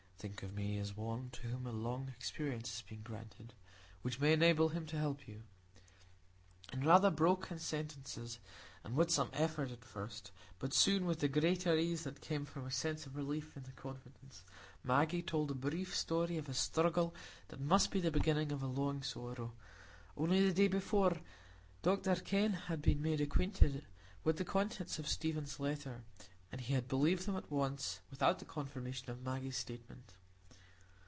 "Think of me as one to whom a long experience has been granted, which may enable him to help you." In rather broken sentences, and with some effort at first, but soon with the greater ease that came from a sense of relief in the confidence, Maggie told the brief story of a struggle that must be the beginning of a long sorrow. Only the day before, Dr Kenn had been made acquainted with the contents of Stephen's letter, and he had believed them at once, without the confirmation of Maggie's statement.